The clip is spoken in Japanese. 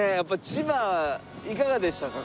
千葉いかがでしたか？